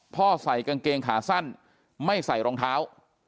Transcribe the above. ใส่กางเกงขาสั้นไม่ใส่รองเท้า